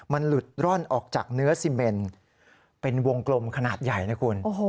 มันหลุดร่อนออกจากเนื้อซีเมนเป็นวงกลมขนาดใหญ่นะคุณ